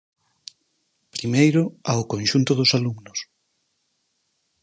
Primeiro, ao conxunto dos alumnos.